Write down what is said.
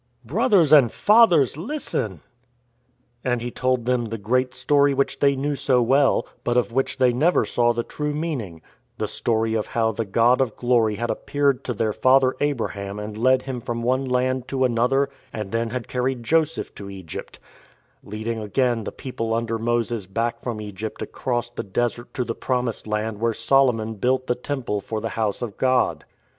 " Brothers and fathers, listen !" And he told them the great story which they knew so well, but of which they never saw the true meaning — the story of how the God of Glory had appeared to their Father Abraham and led him from one land to another and then had carried Joseph to Egypt, leading again the people under Moses back from Egypt across the desert to the promised land where Solomon built the Temple for the house of God.